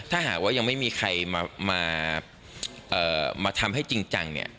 ถ้าหากว่ายังไม่มีใครมาทำให้จริงจังเนี่ย